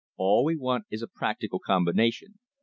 "All we want is a practical combination.